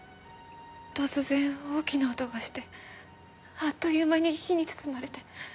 突然大きな音がしてあっという間に火に包まれて。